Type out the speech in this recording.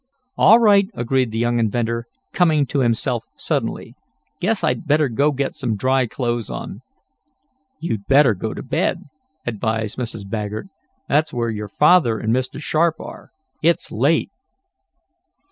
"All right," agreed the young inventor, coming to himself suddenly. "Guess I'd better go get some dry clothes on." "You'd better go to bed," advised Mrs. Baggert. "That's where your father and Mr. Sharp are. It's late."